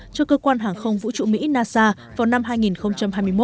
cho cơ quan hàng không vũ trụ mỹ nasa vào năm hai nghìn hai mươi một